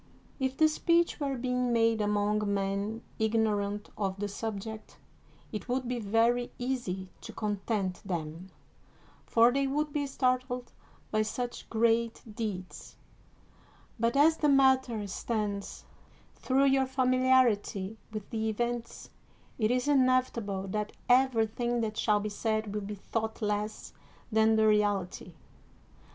If the speech were being made among men ignorant of the subject, it would be very easy to content them, for they would be startled by such great deeds; but as the matter stands, through your familiarity with the events, it is inevitable that everything that shall be said will be thought less than the reality.